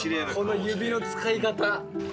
この指の使い方。